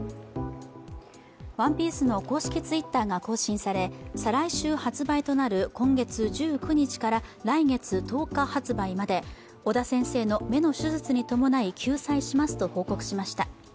「ＯＮＥＰＩＥＣＥ」の公式Ｔｗｉｔｔｅｒが更新され、再来週発売となる今月１９日から来月１０日発売のため尾田先生の目の手術に伴い休載しますと報告しました。